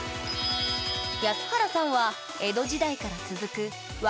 安原さんは江戸時代から続くすごい。